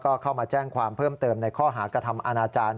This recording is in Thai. ก็เข้ามาแจ้งความเพิ่มเติมในข้อหากระทำอาณาจารย์